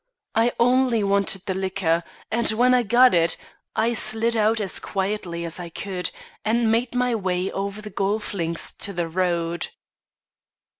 I only wanted the liquor, and when I got it, I slid out as quickly as I could, and made my way over the golf links to the Road."